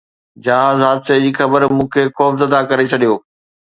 جهاز حادثي جي خبر مون کي خوفزده ڪري ڇڏيو